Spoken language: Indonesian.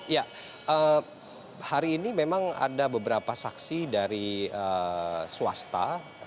ya hari ini memang ada beberapa saksi dari swasta